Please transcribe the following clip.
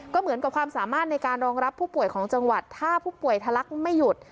ก็เหมือนกับความสามารถในการรองรับผู้ป่วยของจังหวัดถ้าผู้ป่วยทะลักไม่หยุด